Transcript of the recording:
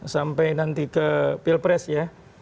sampai nanti ke pilpres ya